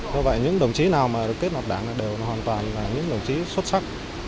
như vậy những đồng chí nào được kết nạp đảng là đều hoàn toàn là những đồng chí xuất sắc